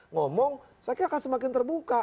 ngomong saya kira akan semakin terbuka